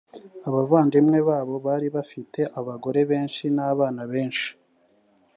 abavandimwe babo bari bafite abagore benshi n’abana benshi